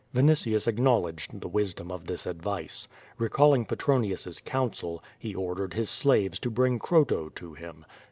^' Vinitius acknowledged the wisdom of this advice. Recall ing Petronius^s counsel, he ordered his slaves to bring Croto to him.